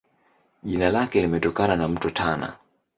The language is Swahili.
Jina lake limetokana na Mto Tana.